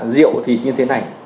rượu thì như thế này